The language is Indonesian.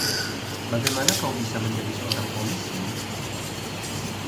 Bagaimana kau bisa menjadi seorang polisi?